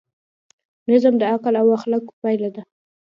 نظم د عقل او اخلاقو پایله ده.